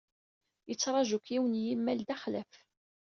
Yetrraju-k yiwen yimal d axlaf.